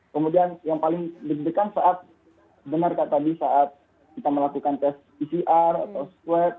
kemudian yang paling berdekat saat dengar kak tadi saat kita melakukan tes pcr atau swab